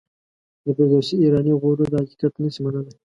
د فردوسي ایرانی غرور دا حقیقت نه شي منلای.